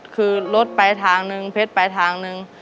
ที่โร่ตไปทางหนึงเพศไปทางหนึง